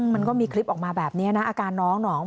มันก็มีคลิปออกมาแบบนี้นะอาการน้องหนอง